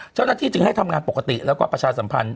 เจ้าหน้าที่จึงให้ทำงานปกติแล้วก็ประชาสัมพันธ